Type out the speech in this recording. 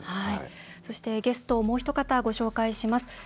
そして、ゲストもうひと方、ご紹介します。